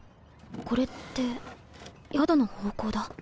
これって宿の方向だ